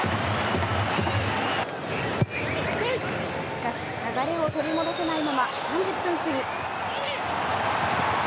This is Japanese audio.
しかし、流れを取り戻せないまま、３０分過ぎ。